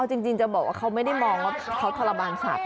จริงจะบอกว่าเขาไม่ได้มองว่าเขาทรมานสัตว